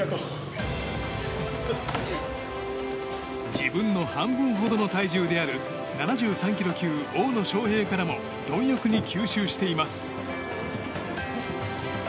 自分の半分ほどの体重である７３ｋｇ級、大野将平からも貪欲に吸収しています。